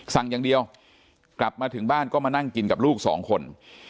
สั่งอย่างเดียวกลับมาถึงบ้านก็มานั่งกินกับลูกสองคน